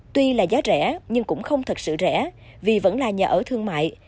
tuy là giá rẻ nhưng cũng không thật sự rẻ vì vẫn là nhà ở thương mại